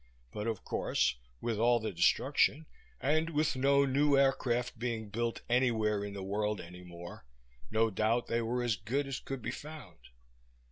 But, of course, with all the destruction, and with no new aircraft being built anywhere in the world any more, no doubt they were as good as could be found.